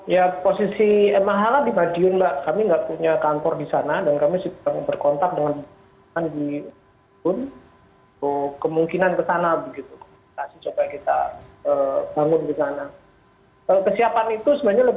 tapi itu tidak menjamin bahwa polisi akan benar telah menetapkan seseorang secara material